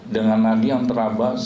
dengan nadinya yang terlambat